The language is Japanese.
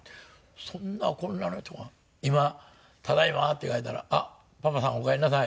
そんなこんなの人が今「ただいま」って帰ったら「あっパパさんおかえりなさい」。